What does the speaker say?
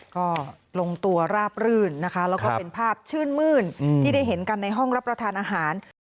ก็ลงตัวราบรื่นนะคะแล้วก็เป็นภาพชื่นมื้นที่ได้เห็นกันในห้องรับประทานอาหาร